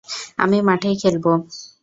আমি মাঠেই খেলবো।